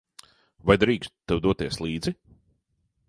Vai drīkstu tev doties līdzi?